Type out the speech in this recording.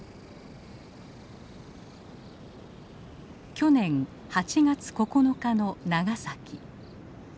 去年８月９日の長崎。